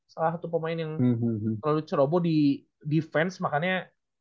salah satu pemain yang terlalu ceroboh di defense makanya